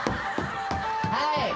はい！